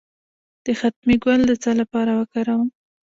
د ختمي ګل د څه لپاره وکاروم؟